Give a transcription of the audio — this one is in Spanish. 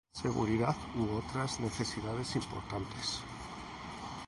seguridad u otras necesidades importantes